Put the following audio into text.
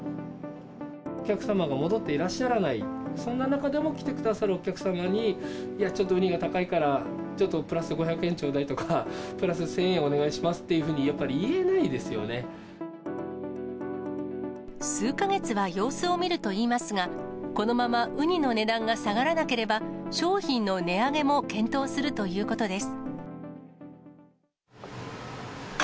お客様が戻っていらっしゃらない、そんな中でも来てくださるお客様に、ちょっとウニが高いからちょっとプラス５００円ちょうだいとか、プラス１０００円お願いしますっていうふうに、やっぱり言えない数か月は様子を見るといいますが、このままウニの値段が下がらなければ、商品の値上げも検討するということです。